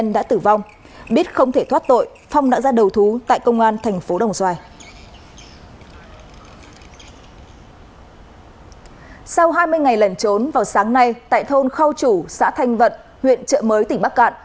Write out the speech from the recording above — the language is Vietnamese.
sau hai mươi ngày lẩn trốn vào sáng nay tại thôn khao chủ xã thanh vận huyện trợ mới tỉnh bắc cạn